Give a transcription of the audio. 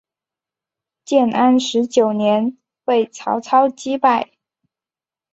建安十九年为曹操击败。